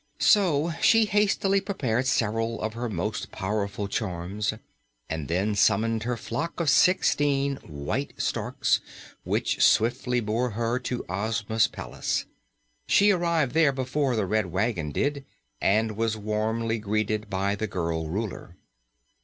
So she hastily prepared several of her most powerful charms and then summoned her flock of sixteen white storks, which swiftly bore her to Ozma's palace. She arrived there before the Red Wagon did and was warmly greeted by the girl Ruler.